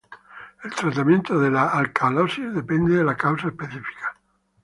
El tratamiento de la alcalosis depende de la causa específica.